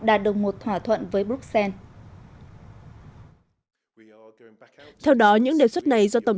đạt được một thỏa thuận với bruxelles theo đó những đề xuất này do tổng